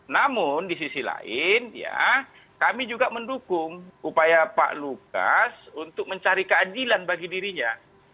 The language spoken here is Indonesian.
namun di sisi lain ya kami juga mendukung upaya pak lukas untuk mencari keadilan bagi dirinya